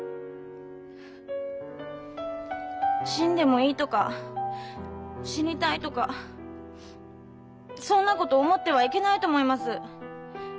「死んでもいい」とか「死にたい」とかそんなこと思ってはいけないと思います。